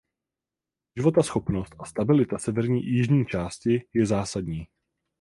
Životaschopnost a stabilita severní i jižní části je zásadní.